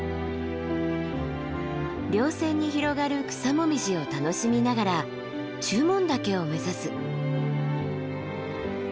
稜線に広がる草紅葉を楽しみながら中門岳を目指す。